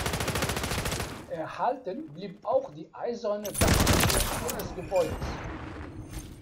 Erhalten blieb auch die eiserne Dachkonstruktion des Gebäudes.